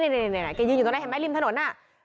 นี่แกยืนอยู่ตรงนั้นเห็นไหมริมถนน